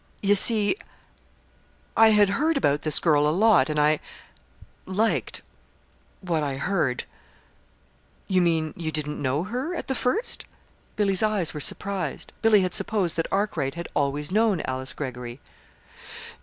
"You see, I had heard about this girl a lot; and I liked what I heard." "You mean you didn't know her at the first?" Billy's eyes were surprised. Billy had supposed that Arkwright had always known Alice Greggory.